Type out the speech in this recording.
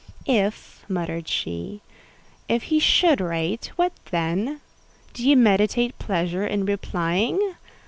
"If," muttered she, "if he should write, what then? Do you meditate pleasure in replying?